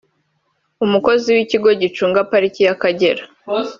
umukozi w’Ikigo gicunga Pariki y’Akagera